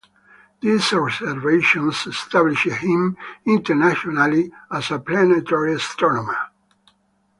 These observations established him internationally as a planetary astronomer.